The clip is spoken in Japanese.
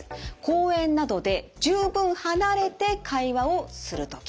公園などで十分離れて会話をする時。